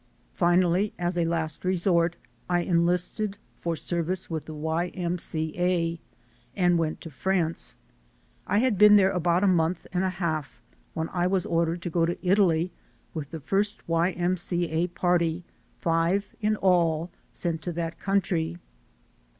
Finally, as a last resort, I enlisted for service with the Y. M. C. A. and went to France. I had been there about a month and a 302THE SOUL OF AN IMMIGRANT half when I was ordered to go to Italy, with the first Y. M. C. A. party, five in all, sent to that country.